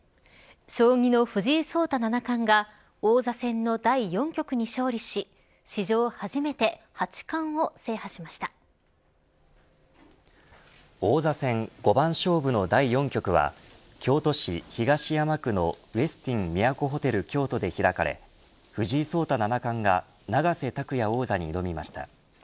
将棋の藤井聡太七冠が王座戦の第４局に勝利し王座戦五番勝負の第４局は京都市東山区のウェスティン都ホテル京都で開かれ藤井聡太７冠が永瀬拓矢王座に挑みました。